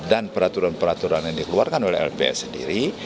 dan peraturan peraturan yang dikeluarkan oleh lps sendiri